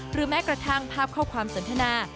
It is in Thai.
แม้กระทั่งภาพข้อความสนทนา